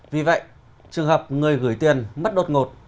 vì vậy trường hợp người gửi tiền mất đột ngột